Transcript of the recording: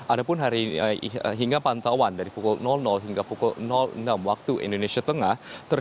ada pun hari ini hingga pantauan dari pukul hingga pukul enam waktu indonesia tengah